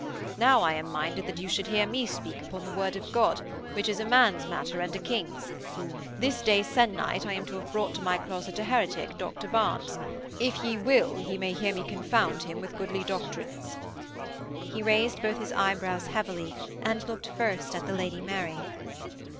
Now I am minded that you should hear me speak upon the Word of God which is a man's matter and a King's. This day sennight I am to have brought to my closet a heretic, Dr Barnes. If ye will ye may hear me confound him with goodly doctrines.' He raised both his eyebrows heavily and looked first at the Lady Mary.